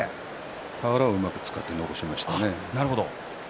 俵をうまく使って残りましたね。